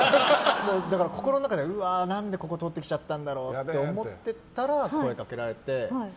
だから、心の中では何で、ここ通ってきちゃったんだろうって思ってたら、声をかけられて。